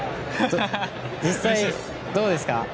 実際、どうですか？